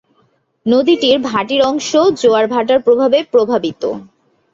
নদীটির ভাটির অংশ জোয়ার ভাটার প্রভাবে প্রভাবিত।